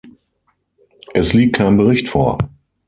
Es liegt kein Bericht vor.